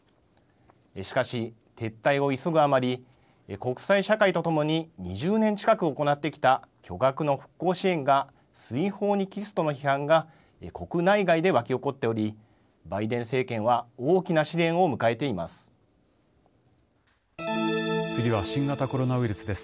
しかし、撤退を急ぐあまり、国際社会と共に２０年近く行ってきた巨額の復興支援が水泡に帰すとの批判が国内外で沸き起こっており、バイデン政権は大きな試練次は新型コロナウイルスです。